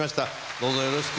どうぞよろしく。